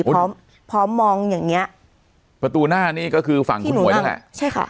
พร้อมพร้อมมองอย่างเงี้ยประตูหน้านี่ก็คือฝั่งคุณหวยนั่นแหละใช่ค่ะ